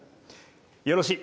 よろしい。